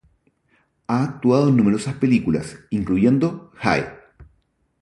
Ha actuado en numerosas películas, incluyendo "Hi!